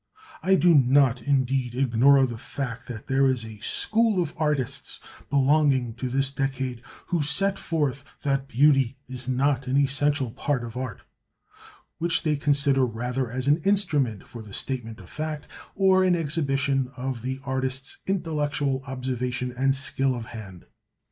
I do not, indeed, ignore the fact that there is a school of artists belonging to this decade who set forth that beauty is not an essential part of art; which they consider rather as an instrument for the statement of fact, or an exhibition of the artist's intellectual observation and skill of hand.